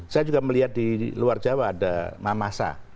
saya juga melihat di luar jawa ada mamasa